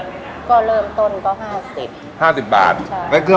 นี่ดำนานละมามลองดู